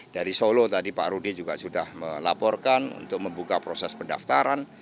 dari solo tadi pak rudy juga sudah melaporkan untuk membuka proses pendaftaran